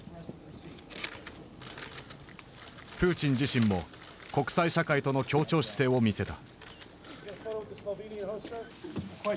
プーチン自身も国際社会との協調姿勢を見せた。